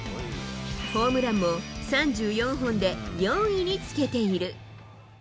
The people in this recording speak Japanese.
ホームランも３４本で４位につけている。